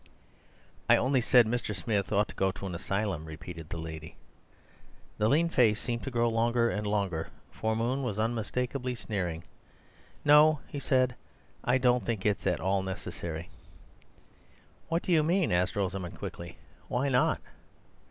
"I only said Mr. Smith ought to go to an asylum," repeated the lady. The lean face seemed to grow longer and longer, for Moon was unmistakably sneering. "No," he said; "I don't think it's at all necessary." "What do you mean?" asked Rosamund quickly. "Why not?"